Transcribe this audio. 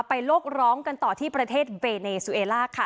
โลกร้องกันต่อที่ประเทศเวเนซูเอล่าค่ะ